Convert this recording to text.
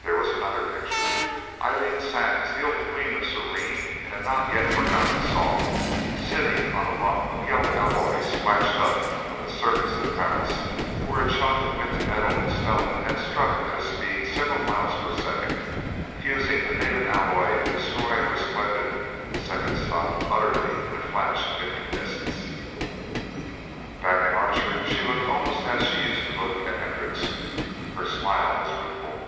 There was another picture: Eileen Sands, the old Queen of Serene in a not yet forgotten song, sitting on a lump of yellow alloy splashed up from the surface of Pallas, where a chunk of mixed metal and stone had struck at a speed of several miles per second, fusing the native alloy and destroying her splendid Second Stop utterly in a flash of incandescence. Back in Archer, she looked almost as she used to look at Hendricks'. Her smile was rueful.